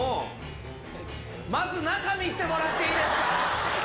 まず、中見せてもらっていいですか？